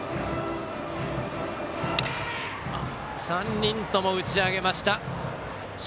３人とも打ち上げました。